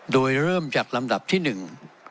โดยเริ่มจากลำดับที่หนึ่ง